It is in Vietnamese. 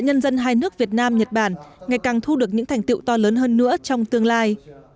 nhân dân hai nước việt nam nhật bản ngày càng thu được những thành tiệu to lớn hơn nữa trong tương lai